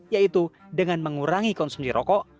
yaitu dengan mengurangi konsumsi rokok